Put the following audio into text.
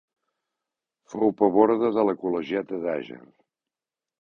Fou paborde de la col·legiata d'Àger.